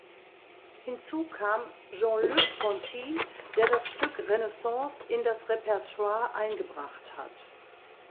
Hinzu kam Jean-Luc Ponty, der das Stück "Renaissance" in das Repertoire eingebracht hat.